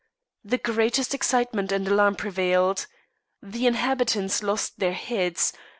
The greatest excitement and alarm prevailed. The inhabitants lost their heads.